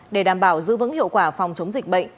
để đảm bảo giữ vững hiệu quả phòng chống dịch bệnh